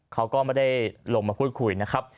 เขาก็ไม่ได้ลงมาพูดคุยนะครับ